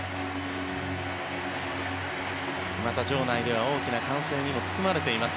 また場内では大きな歓声にも包まれています。